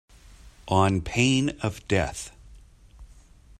On pain of death.